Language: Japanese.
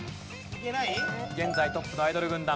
現在トップのアイドル軍団。